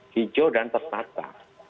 hijau dan ternata